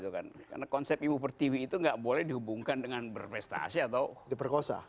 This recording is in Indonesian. karena konsep ibu pertiwi itu tidak boleh dihubungkan dengan berprestasi atau diperkosa